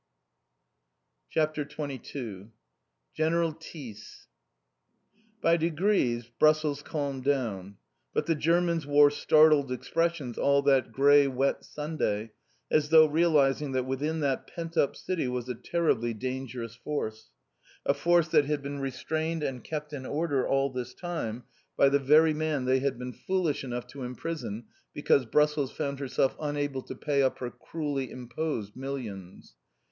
CHAPTER XX GENERAL THYS By degrees Brussels calmed down. But the Germans wore startled expressions all that grey wet Sunday, as though realising that within that pent up city was a terribly dangerous force, a force that had been restrained and kept in order all this time by the very man they had been foolish enough to imprison because Brussels found herself unable to pay up her cruelly imposed millions.